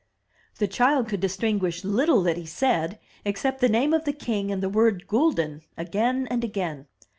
The child could distinguish little that he said, except the name of the king and the word "gulden" again and again.